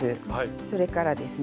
それからですね